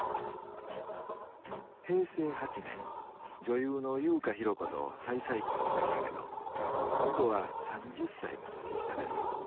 平成８年女優の勇家寛子と再々婚したんやけど今度は３０歳も年下です。